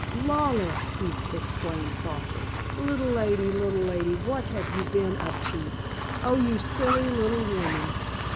"Lawless," he exclaimed, softly "little lady, little lady, what have you been up to? Oh, you silly little woman!"